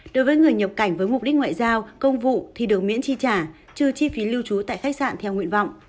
đối với người nhập cảnh với mục đích ngoại giao công vụ thì được miễn chi trả trừ chi phí lưu trú tại khách sạn theo nguyện vọng